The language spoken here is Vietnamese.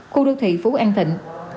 khu đô thị phú an thịnh